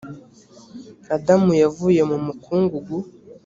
adamu yavuye mu mukungugu